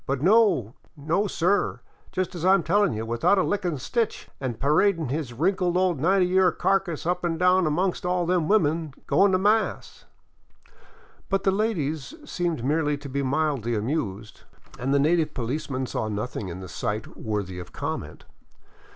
But, no, sir, just as I 'm telling you, without a lickin' stitch, an' parading his wrinkled old ninety year carcass up an' down amongst all them women goin' to mass." But the ladies seemed merely to be mildly amused, and the native policeman saw nothing in the sight worthy of comment.